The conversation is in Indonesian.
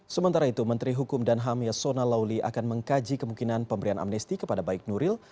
sementara itu menteri hukum dan ham yasona lawli akan mengkaji kemungkinan pemberian amnesti kepada baik nuril